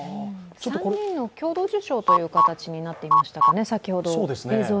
３人の共同受賞となっていましたね。